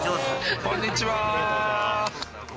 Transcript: こんにちは。